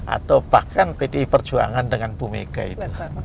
atau bahkan pdi perjuangan dengan bumega itu